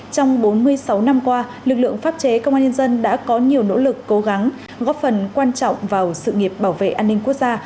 trong bốn mươi sáu năm qua lực lượng pháp chế công an nhân dân đã có nhiều nỗ lực cố gắng góp phần quan trọng vào sự nghiệp bảo vệ an ninh quốc gia